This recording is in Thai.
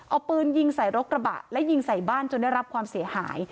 เอาปืนยิงใส่รถกระบะและยิงใส่บ้านจนได้รับความเสียหาย